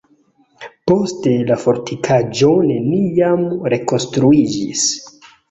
Poste la fortikaĵo neniam rekonstruiĝis.